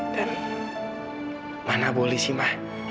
dan mana boleh sih ma